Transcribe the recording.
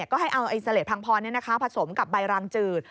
ก็ให้เอาเสลดพังพรผสมกับใบรางจืด